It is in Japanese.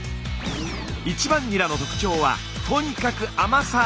１番ニラの特徴はとにかく甘さ。